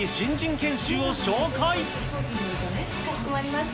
かしこまりました。